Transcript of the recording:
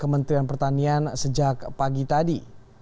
kementerian pertanian sejak pagi tadi